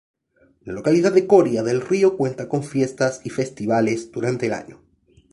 La localidad de Coria del Río cuenta con fiestas y festivales durante el año.